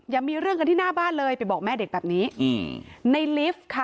อย่ามีเรื่องกันที่หน้าบ้านเลยไปบอกแม่เด็กแบบนี้อืมในลิฟต์ค่ะ